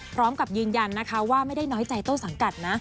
พร้อมกับยืนยันนะคะว่าไม่ได้น้อยใจต้นสังกัดนะ